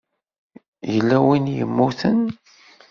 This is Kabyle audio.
Yella win i yemmuten?